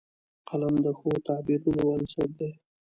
قلم د ښو تعبیرونو بنسټ دی